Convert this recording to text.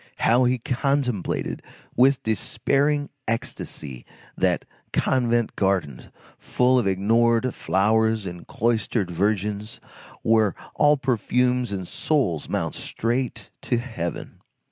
How he contemplated, with despairing ecstasy, that convent garden, full of ignored flowers and cloistered virgins, where all perfumes and all souls mount straight to heaven!